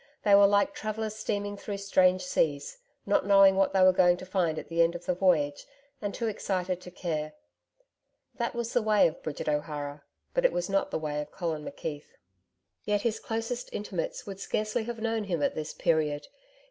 They were like travellers steaming through strange seas, not knowing what they were going to find at the end of the voyage and too excited to care. That was the way of Bridget O'Hara, but it was not the way of Colin McKeith. Yet his closest intimates would scarcely have known him at this period.